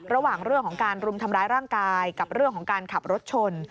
เรื่องของการรุมทำร้ายร่างกายกับเรื่องของการขับรถชน